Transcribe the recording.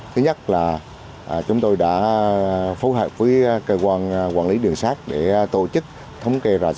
thứ nhất là chúng tôi đã phối hợp với cơ quan quản lý đường sắt để tổ chức thống kê rà sốt